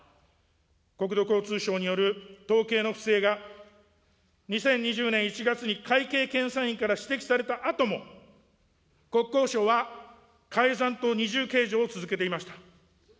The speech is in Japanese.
国土交通省による統計の不正が２０２０年１月に会計検査院から指摘されたあとも、国交省は改ざんと二重計上を続けていました。